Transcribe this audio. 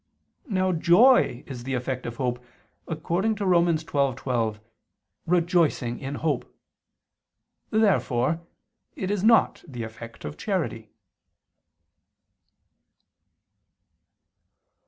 Now joy is the effect of hope, according to Rom. 12:12: "Rejoicing in hope." Therefore it is not the effect of charity.